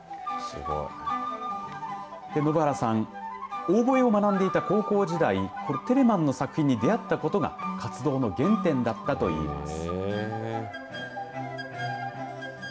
延原さん、オーボエを学んでいた高校時代テレマンの作品に出会ったことが活動の原点だったと言います。